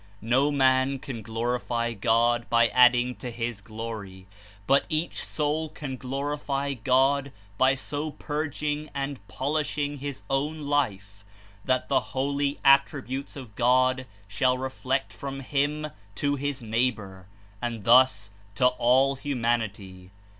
No man can glorify God by adding to His Glor\s but each soul can glorify God by so purging and polish ing his own life that the holy attributes of God shall reflect from him to his neighbor and thus to all hu manity.